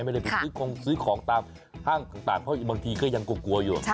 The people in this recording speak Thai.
ไม่ได้คงซื้อของตามหั้งต่างเพราะบางทีก็ยังกลัวอยู่